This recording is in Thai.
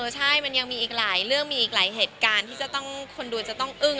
ใช่มันยังมีอีกหลายเรื่องมีอีกหลายเหตุการณ์ที่จะต้องคนดูจะต้องอึ้ง